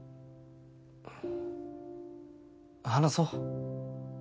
話そう。